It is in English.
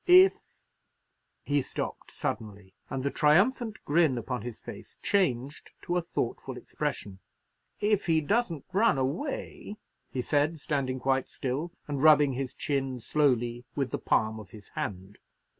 If—" he stopped suddenly, and the triumphant grin upon his face changed to a thoughtful expression. "If he doesn't run away," he said, standing quite still, and rubbing his chin slowly with the palm of his hand.